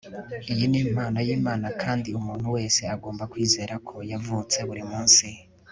iyi ni impano y'imana kandi umuntu wese agomba kwizera ko yavutse buri munsi